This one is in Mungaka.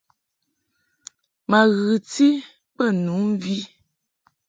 Ma ghɨti bə nu mvi.